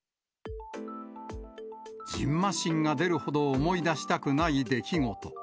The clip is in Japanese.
じんましんが出るほど思い出したくない出来事。